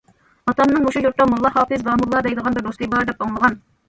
ئاتامنىڭ مۇشۇ يۇرتتا موللا ھاپىز داموللا دەيدىغان بىر دوستى بار دەپ ئاڭلىغان.